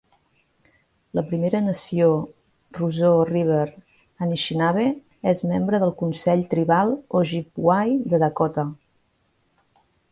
La primera nació Roseau River Anishinabe és membre del Consell Tribal Ojibway de Dakota.